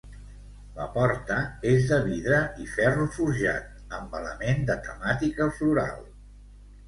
La porta és de vidre i ferro forjat amb element de temàtica floral.